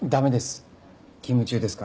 勤務中ですから。